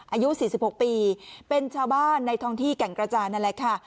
อายุ๔๖ปีเป็นชาวบ้านในท้องที่แก่งกระจานนั่นแหละค่ะ